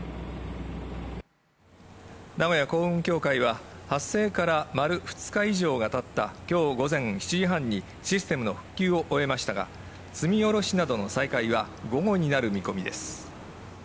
名古屋港運協会は発生から丸２日以上がたった今日午前７時半にシステムの復旧を終えましたが積み降ろしなどの再開は、午後になる見込みです。